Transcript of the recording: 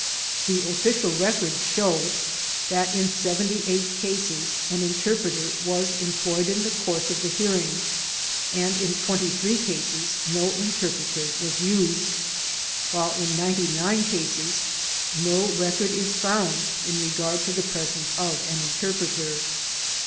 Xlie official records show that in 78 cases an interpreter vv^a.s employed in the course of the hearing, in 23 cases T\o interpreter was used, while in 99 cases no record is found in regard to the presence of an interpreter.